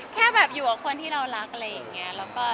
แค่แบบอยู่กับคนที่เรารักอะไรอย่างนี้